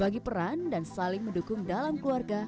bagi peran dan saling mendukung dalam keluarga